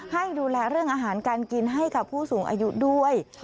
ให้ดูแลเรื่องอาหารการกินให้กับผู้สูงอายุด้วย